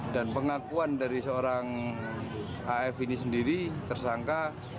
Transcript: dan pengakuan dari seorang af ini sendiri tersangka